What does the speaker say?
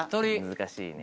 難しいね。